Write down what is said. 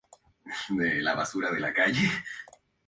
El principal es el río Pas, que lo cruza.